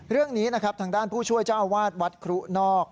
เรื่องนี้นะครับทางด้านผู้ช่วยเจ้าอาวาสวัดครุนอก